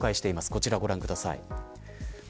こちら、ご覧ください。